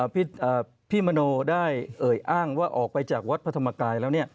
พี่มโนได้เอ่ยอ้างว่าออกไปจากวัดพระธรรมกายแล้ว